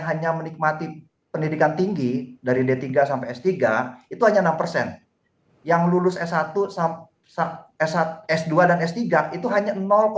hanya menikmati pendidikan tinggi dari d tiga sampai s tiga itu hanya enam persen yang lulus s satu s dua dan s tiga itu hanya